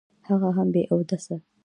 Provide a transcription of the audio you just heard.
هغه هم بې اوداسه.